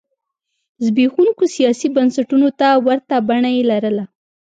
زبېښونکو سیاسي بنسټونو ته ورته بڼه یې لرله.